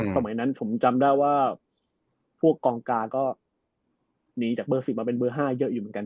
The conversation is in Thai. สมัยนั้นผมจำได้ว่าพวกกองกาก็หนีจากเบอร์๑๐มาเป็นเบอร์๕เยอะอยู่เหมือนกัน